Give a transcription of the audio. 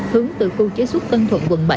hướng từ khu chế xuất tân thuận quận bảy